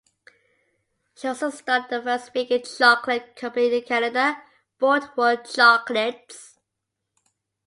She also started the first vegan chocolate company in Canada - Boardwalk Chocolates.